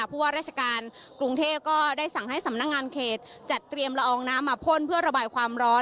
ผู้ว่าราชการกรุงเทพก็ได้สั่งให้สำนักงานเขตจัดเตรียมละอองน้ำมาพ่นเพื่อระบายความร้อน